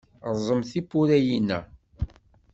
Rẓem tiwwura-inna!